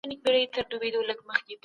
د شهيدانو ژوند ليکونه خورا اغېزناک دي.